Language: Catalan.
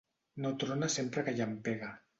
No trona sempre que llampega.